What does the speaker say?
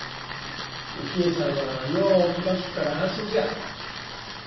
雪衣さんはよう気が利くから安心じゃ。